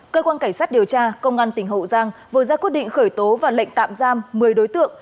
cơ quan cảnh sát điều tra công an tỉnh hậu giang vừa ra quyết định khởi tố và lệnh tạm giam một mươi đối tượng